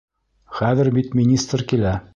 Хәҙер бит министр килә!